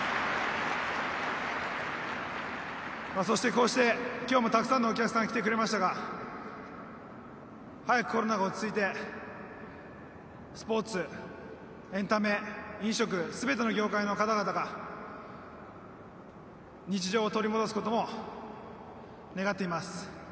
そしてこうして今日もたくさんのお客さんが来てくれましたが早くコロナが落ち着いてスポーツ、エンタメ、飲食全ての業界の方々が日常を取り戻すことも願っています。